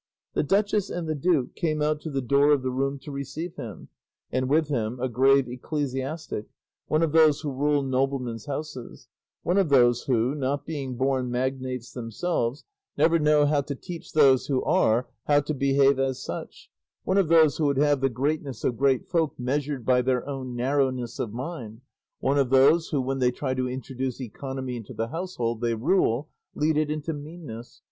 The duchess and the duke came out to the door of the room to receive him, and with them a grave ecclesiastic, one of those who rule noblemen's houses; one of those who, not being born magnates themselves, never know how to teach those who are how to behave as such; one of those who would have the greatness of great folk measured by their own narrowness of mind; one of those who, when they try to introduce economy into the household they rule, lead it into meanness.